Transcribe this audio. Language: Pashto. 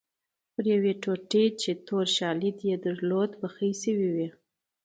پر یوې ټوټه چې تور شالید یې درلود بخۍ شوې وې.